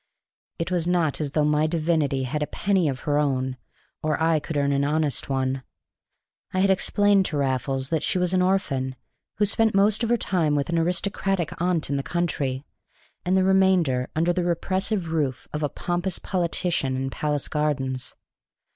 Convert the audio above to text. It was not as though my divinity had a penny of her own, or I could earn an honest one. I had explained to Raffles that she was an orphan, who spent most of her time with an aristocratic aunt in the country, and the remainder under the repressive roof of a pompous politician in Palace Gardens.